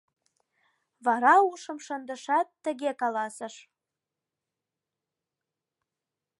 Вара ушым шындышат, тыге каласыш: